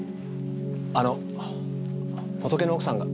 あのホトケの奥さんが。